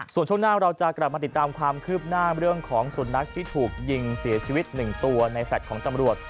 ส่วนช่วงหน้าเราจะกลับมาติดตามความคืบหน้าเรื่องของสุนัขที่ถูกยิงเสียชีวิต๑ตัวในแฟลต์ของตำรวจ